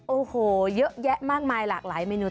โอ้โหเยอะแยะมากมายหลากหลายเมนู